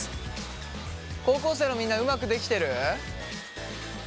高校生のみんなうまくできてる？